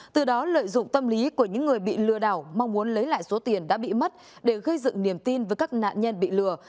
từ đó lợi dụng tâm lý của những người bị lừa đảo mong muốn lấy lại số tiền đã bị mất để gây dựng niềm tin với các nạn nhân bị lừa